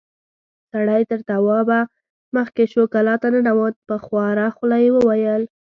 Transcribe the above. سړی تر توابه مخکې شو، کلا ته ننوت، په خواره خوله يې وويل: